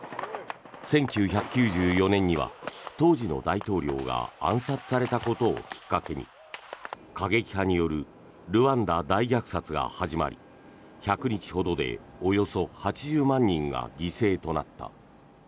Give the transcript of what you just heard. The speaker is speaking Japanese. １９９４年には当時の大統領が暗殺されたことをきっかけに過激派によるルワンダ大虐殺が始まり１００日ほどでおよそ８０万人が犠牲となった。